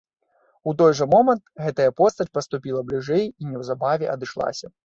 У той жа момант гэтая постаць падступіла бліжэй і неўзабаве адышлася.